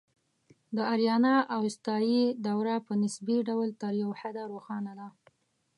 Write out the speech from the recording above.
د آریانا اوستایي دوره په نسبي ډول تر یو حده روښانه ده